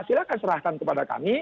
silahkan serahkan kepada kami